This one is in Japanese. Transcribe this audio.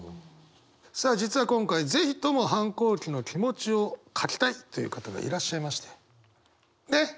さあ実は今回是非とも反抗期の気持ちを書きたいという方がいらっしゃいまして。